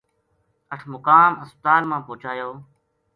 اٹھمقام ہسپتال ما پوہچایو